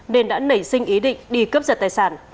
nên đã nảy sinh ý định đi cướp giật tài sản